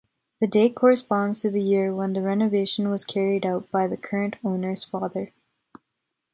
The date corresponds to the year when the renovation was carried out by the current owner’s father.